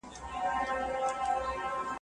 o د پېښي څخه تښته نسته.